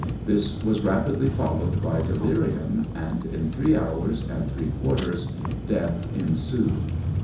This was rapidly followed by delirium, and in three hours and three quarters death ensued.